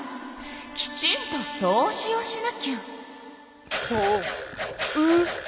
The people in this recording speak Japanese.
きちんとそうじをしなきゃ。